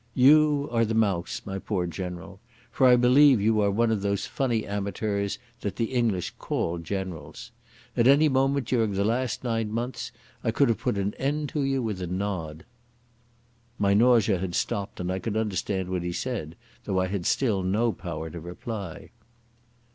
You are the mouse, my poor General—for I believe you are one of those funny amateurs that the English call Generals. At any moment during the last nine months I could have put an end to you with a nod." My nausea had stopped and I could understand what he said, though I had still no power to reply.